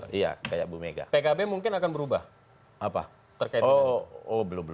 pkb mungkin akan berubah